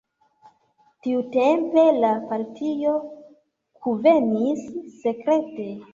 Tiutempe la partio kunvenis sekrete.